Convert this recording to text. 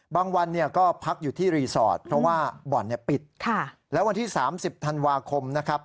วันเนี่ยก็พักอยู่ที่รีสอร์ทเพราะว่าบ่อนปิดแล้ววันที่๓๐ธันวาคมนะครับ